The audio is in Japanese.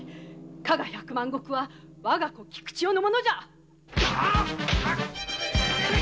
加賀百万石はわが子・菊千代のもの！